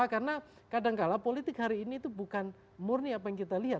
karena kadangkala politik hari ini itu bukan murni apa yang kita lihat